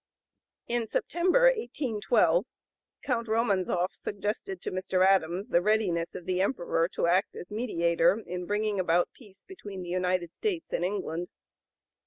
In September, 1812, Count Romanzoff suggested to Mr. Adams the readiness of the Emperor to act as mediator in bringing about peace between the United States and England.